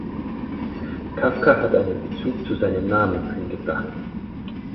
Kafka hat einen Bezug zu seinem Namen eingebracht.